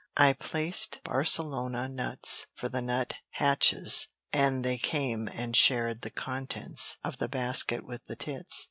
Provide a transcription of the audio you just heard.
I placed Barcelona nuts for the nuthatches, and they came and shared the contents of the basket with the tits.